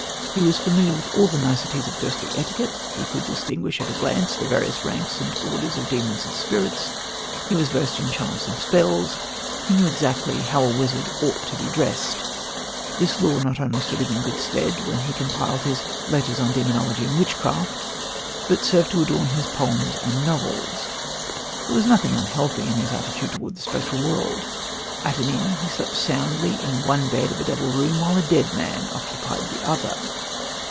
He was familiar with all the niceties of ghostly etiquette; he could distinguish at a glance the various ranks and orders of demons and spirits; he was versed in charms and spells; he knew exactly how a wizard ought to be dressed. This lore not only stood him in good stead when he compiled his Letters on Demonology and Witchcraft (1830), but served to adorn his poems and novels. There was nothing unhealthy in his attitude towards the spectral world. At an inn he slept soundly in one bed of a double room, while a dead man occupied the other.